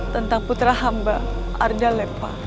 tentang putra hamba arda lepa